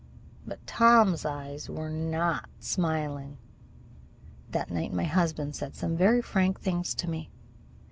But Tom's eyes were not smiling. That night my husband said some very frank things to me.